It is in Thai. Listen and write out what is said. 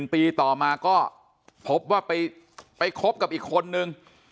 ปีต่อมาก็พบว่าไปคบกับอีกคนนึง